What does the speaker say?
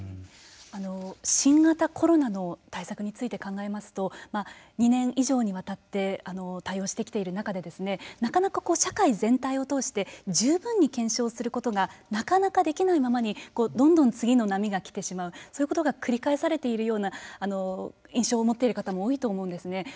新型コロナの対策について考えますと２年以上にわたって対応してきている中でなかなか社会全体を通して十分に検証することがなかなかできないままにどんどん次の波が来てしまうそういうことが繰り返されているような印象を持っている方も多いと思うんですね。